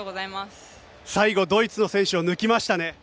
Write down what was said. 最後、ドイツの選手を抜きましたね。